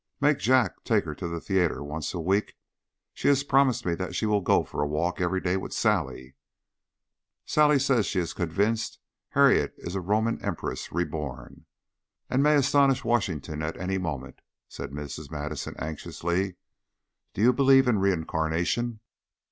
"Make Jack take her to the theatre once a week. She has promised me that she will go for a walk every day with Sally." "Sally says she is convinced Harriet is a Roman empress reborn, and may astonish Washington at any moment," said Mrs. Madison, anxiously. "Do you believe in reincarnation?"